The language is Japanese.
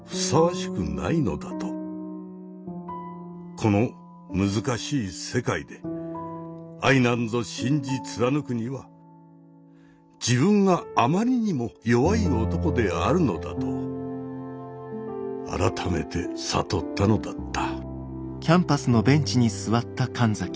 この難しい世界で愛なんぞ信じ貫くには自分があまりにも弱い男であるのだと改めて悟ったのだった。